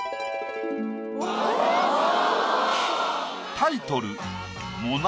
タイトル